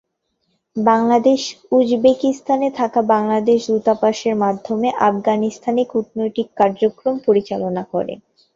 বাংলাদেশ উজবেকিস্তানে থাকা বাংলাদেশ দূতাবাসের মাধ্যমে আফগানিস্তানে কূটনৈতিক কার্যক্রম পরিচালনা করে।